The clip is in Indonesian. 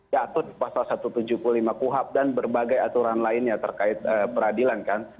jatuh di pasal satu ratus tujuh puluh lima kuhap dan berbagai aturan lainnya terkait peradilan kan